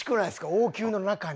王宮の中に。